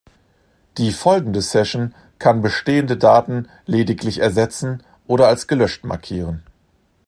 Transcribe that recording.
Die folgende Session kann bestehende Daten lediglich ersetzen oder als gelöscht markieren.